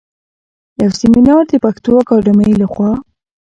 يو سمينار د پښتو اکاډمۍ لخوا